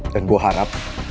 dan gue harap